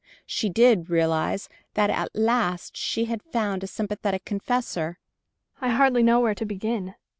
But she realized that at last she had found a sympathetic confessor. "I hardly know where to begin.